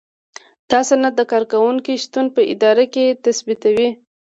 دا سند د کارکوونکي شتون په اداره کې تثبیتوي.